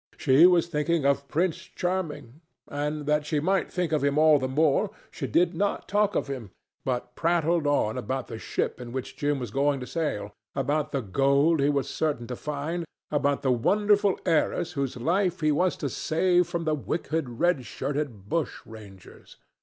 She was thinking of Prince Charming, and, that she might think of him all the more, she did not talk of him, but prattled on about the ship in which Jim was going to sail, about the gold he was certain to find, about the wonderful heiress whose life he was to save from the wicked, red shirted bushrangers.